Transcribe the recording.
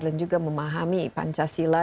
dan juga memahami pancasila